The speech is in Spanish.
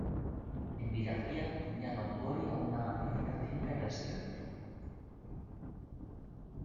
En Villafría tenía Longoria una magnífica finca y residencia.